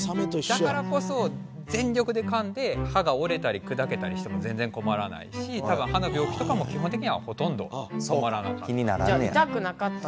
だからこそ全力でかんで歯がおれたりくだけたりしてもぜんぜんこまらないし多分歯の病気とかも基本的にはほとんどこまらなかった。